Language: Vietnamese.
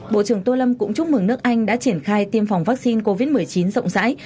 bộ trưởng tô lâm cũng chúc mừng nước anh đã triển khai tiêm phòng vaccine covid một mươi chín rộng rãi